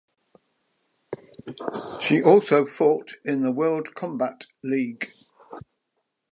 She also fought in the World Combat League.